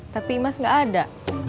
tapi imas gak ada